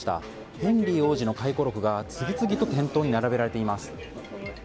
ヘンリー王子の回顧録が次々と店頭に並べられています。